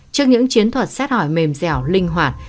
trước những chiến thuật xét hỏi mềm dẻo linh hoạt